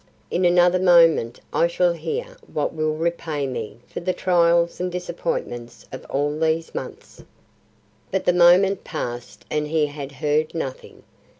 In another moment I shall hear what will repay me for the trials and disappointments of all these months." But the moment passed and he had heard nothing.